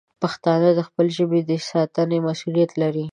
پښتانه د خپلې ژبې د ساتنې مسوولیت لري.